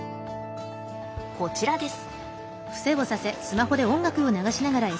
こちらです。